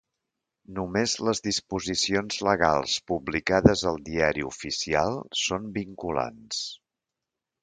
Només les disposicions legals publicades al Diari Oficial són vinculants.